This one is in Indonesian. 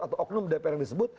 atau oknum dpr yang disebut